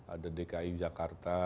ada dki jakarta